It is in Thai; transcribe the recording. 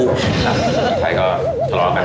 ใครก็ทะเลาะกัน